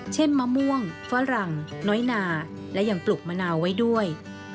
เช่นมะม่วงฟ้าหลังน้อยนาและยังปลุกมะนาวไว้ด้วย